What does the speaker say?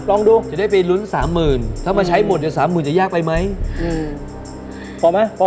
ลองดูจะได้ไปลุ้นสามหมื่นถ้ามาใช้หมดเดี๋ยวสามหมื่นจะยากไปไหมพอไหมพอ